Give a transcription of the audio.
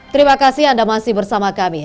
terima kasih anda masih bersama kami